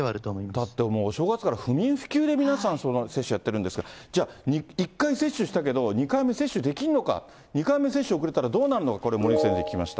だってもうお正月から不眠不休で皆さん接種やってるんですが、じゃあ、１回接種したけど、２回目接種できるのか、２回目接種遅れたらどうなるの、これ、森内先生に聞きました。